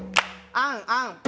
あんあん。